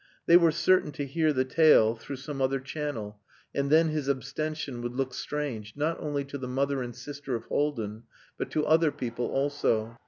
They were certain to hear the tale through some other channel, and then his abstention would look strange, not only to the mother and sister of Haldin, but to other people also.